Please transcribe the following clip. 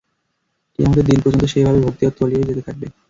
কিয়ামতের দিন পর্যন্ত সে এভাবে ভূগর্ভে তলিয়ে যেতেই থাকবে।